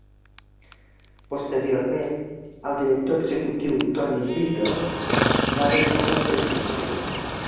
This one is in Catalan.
Posteriorment, el director executiu Tony Beadle va deixar l'organització.